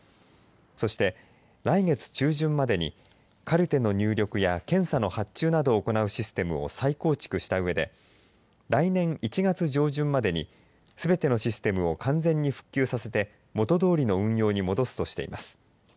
そして来月中旬までにカルテの入力や検査の発注などを行うシステムを再構築したうえで来年１月上旬までにすべてのシステムを完全に復旧させて元どおりの運用に戻すとしています。